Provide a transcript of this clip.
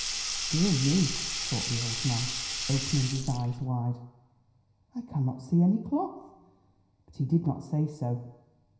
"Dear me!" thought the old man, opening his eyes wide, "I cannot see any cloth!" But he did not say so.